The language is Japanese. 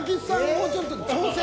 もうちょっと調整。